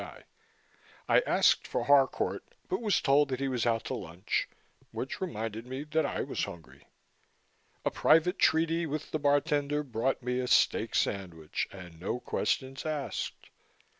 I asked for Harcourt but was told that he was out to lunch, which reminded me that I was hungry. A private treaty with the bartender brought me a steak sandwich, and no questions asked.